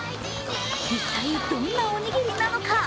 一体どんなおにぎりなのか？